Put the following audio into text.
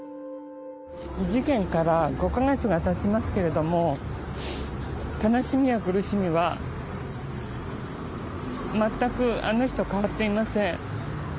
事件から５カ月が経ちますけれども悲しみや苦しみは全くあの日と変わっていません。